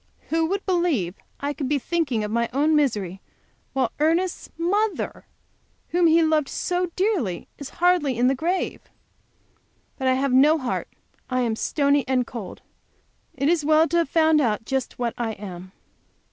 Who would believe I could be thinking of my own misery while Ernest's mother, whom he loved so dearly, is hardly in her grave! But I have no heart, I am stony and cold. It is well to have found out just what I am!